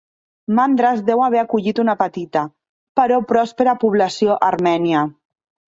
Madras deu haver acollit una petita, però pròspera població armènia.